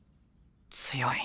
強い。